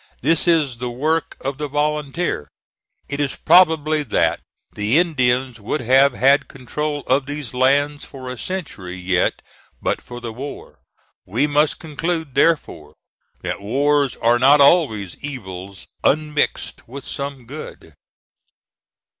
This is the work of the volunteer. It is probable that the Indians would have had control of these lands for a century yet but for the war. We must conclude, therefore, that wars are not always evils unmixed with some good.